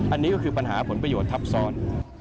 อันนี้ก็คือปัญหาผลประโยชน์ทับซ้อน